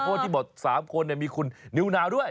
เพราะว่าที่บอก๓คนมีคุณนิวนาวด้วย